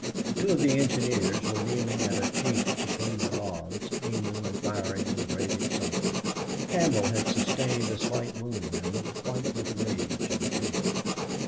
Two of the engineers were kneeling at a chink between the logs, aiming and firing in great excitement. Campbell had sustained a slight wound and looked white with rage and fear.